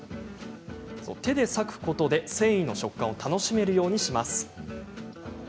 手で裂くことで、繊維の食感を楽しめるようにします。